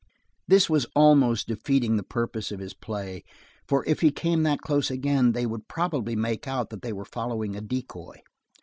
This was almost defeating the purpose of his play for if he came that close again they would probably make out that they were following a decoy.